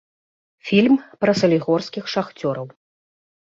Фільм пра салігорскіх шахцёраў.